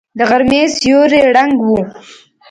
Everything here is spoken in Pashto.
د غرمې سیوری ړنګ و.